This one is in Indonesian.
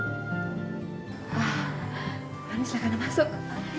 ah mari silahkan masuk